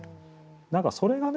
何かそれがね